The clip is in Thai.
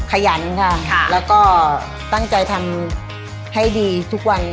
ขยันค่ะแล้วก็ตั้งใจทำให้ดีทุกวัน